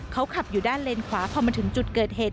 เขาขับอยู่ด้านเลนขวาพอมาถึงจุดเกิดเหตุ